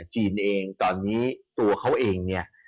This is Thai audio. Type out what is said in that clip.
จีนเองตอนนี้ตัวเขาเองเนี่ย